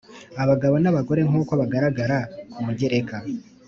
Abagabo n abagore nk uko bagaragara ku mugereka